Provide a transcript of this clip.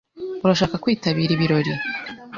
Urashaka kwitabira ibirori?